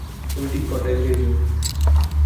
তুমি ঠিক কটায় ফিরবে?